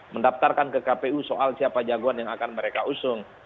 mendaftarkan ke kpu soal siapa jagoan yang akan mereka usung